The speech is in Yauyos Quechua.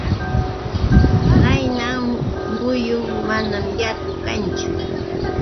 Qayna muyun manam yaku karqachu.